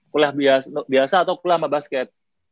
kuliah biasa atau kuliah sama basket